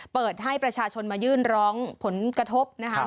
เปิดให้ประชาชนมายื่นร้องผลกระทบนะครับ